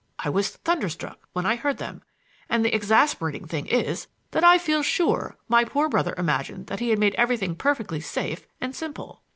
I was thunderstruck when I heard them. And the exasperating thing is that I feel sure my poor brother imagined that he had made everything perfectly safe and simple."